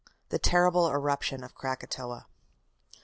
The Terrible Eruption of Krakatoa.